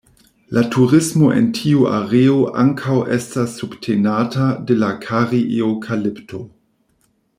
La turismo en tiu areo ankaŭ estas subtenata de la kari-eŭkalipto.